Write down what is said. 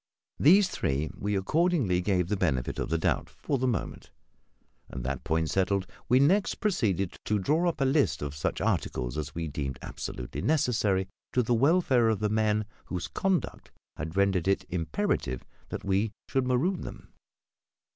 These three we accordingly gave the benefit of the doubt, for the moment; and, that point settled, we next proceeded to draw up a list of such articles as we deemed absolutely necessary to the welfare of the men whose conduct had rendered it imperative that we should maroon them.